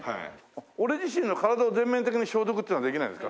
俺自身の体を全面的に消毒っていうのはできないですか？